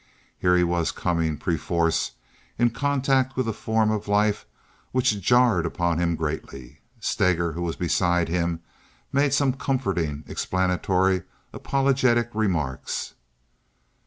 Here he was coming, perforce, in contact with a form of life which jarred upon him greatly. Steger, who was beside him, made some comforting, explanatory, apologetic remarks.